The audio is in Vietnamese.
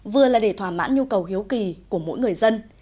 vừa là để thỏa mãn nhu cầu hiếu kỳ của mỗi người dân